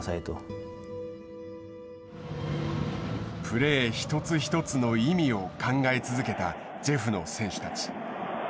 プレー一つ一つの意味を考え続けたジェフの選手たち。